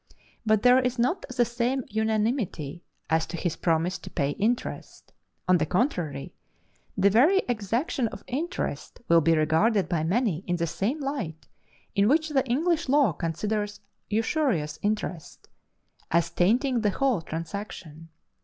But there is not the same unanimity as to his promise to pay interest: on the contrary, the very exaction of interest will be regarded by many in the same light in which the English law considers usurious interest, as tainting the whole transaction.